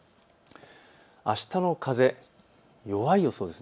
あしたの風、弱い予想です。